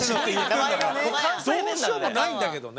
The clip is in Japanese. どうしようもないんだけどね。